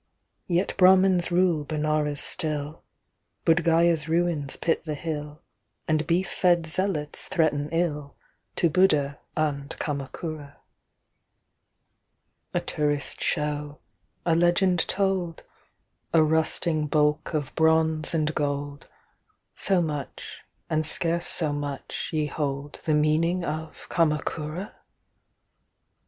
Yet Brahmans rule Benares still, Buddh Gaya's ruins pit the hill, And beef fed zealots threaten illTo Buddha and Kamakura.A tourist show, a legend told,A rusting bulk of bronze and gold, So much, and scarce so much, ye holdThe meaning of Kamakura?